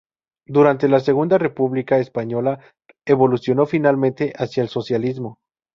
Durante la Segunda República Española evolucionó finalmente hacia el socialismo.